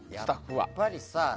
やっぱりさ